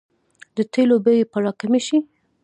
د تیلو بیې به راکمې شي؟